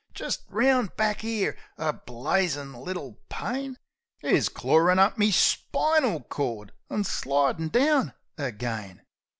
Jist round back 'ere, a blazin' little pain Is clawin' up me spinal cord an' slidin' down again."